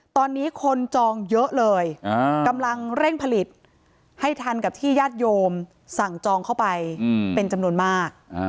ตอนนี้คนจองเยอะเลยกำลังเร่งผลิตให้ทันกับที่ญาติโยมสั่งจองเข้าไปเป็นจำนวนมาก